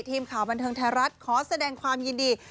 ทีมข่าวบันเทิงไทยรัฐขอแสดงความยินดี